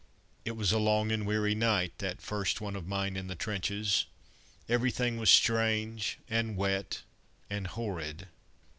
It was a long and weary night, that first one of mine in the trenches. Everything was strange, and wet and horrid.